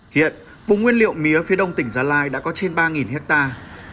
hiện vùng nguyên liệu mía phía đông tỉnh gia lai đã có trên ba hectare